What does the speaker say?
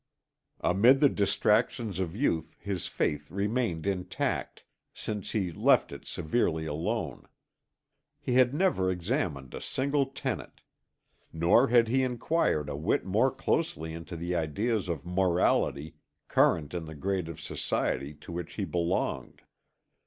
Amid the distractions of youth his faith remained intact, since he left it severely alone. He had never examined a single tenet. Nor had he enquired a whit more closely into the ideas of morality current in the grade of society to which he belonged.